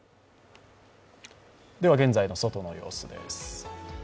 現在の外の様子です。